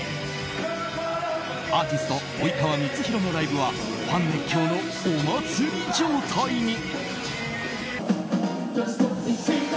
アーティスト及川光博のライブはファン熱狂のお祭り状態に。